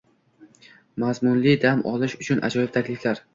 Mazmunli dam olish uchun ajoyib takliflar